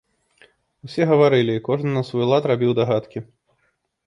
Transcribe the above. Усе гаварылі, і кожны на свой лад рабіў дагадкі.